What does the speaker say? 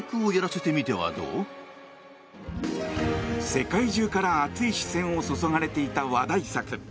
世界中から熱い視線を注がれていた話題作。